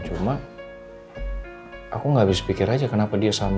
cuma aku gak bisa pikir aja kenapa dia sampai